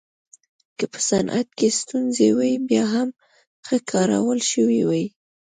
که په صنعت کې ستونزې وای بیا هم ښه کارول شوې وای